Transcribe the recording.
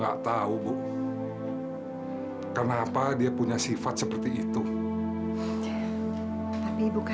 kalau saja kamu tau maksud baik uak